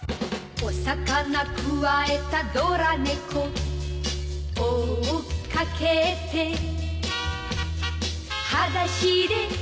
「お魚くわえたドラ猫」「追っかけて」「はだしでかけてく」